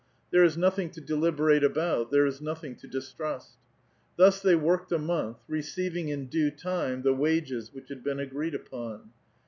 here is nothing to deliberate about; there is nothing to istrust. Thus they worked a month, receiving in due time the ri^es which had been agreed upon.